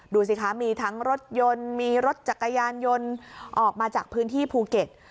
ดูสิคะมีทั้งรถยนต์มีรถจักรยานยนต์ออกมาจากพื้นที่ภูเก็ต